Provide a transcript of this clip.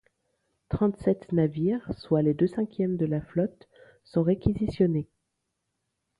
Trente-sept navires, soit les deux cinquièmes de la flotte, sont réquisitionnés.